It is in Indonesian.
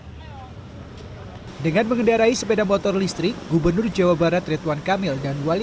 hai dengan mengendarai sepeda motor listrik gubernur jawa barat ritwan kamil dan wali